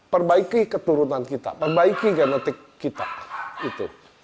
perbaiki keturunan kita perbaiki genetik kita itu